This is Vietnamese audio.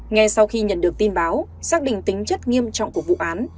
ngay sau khi nhận được tin báo xác định tính chất nghiêm trọng của vụ án